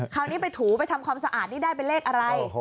คราวนี้ไปถูไปทำความสะอาดนี่ได้เป็นเลขอะไร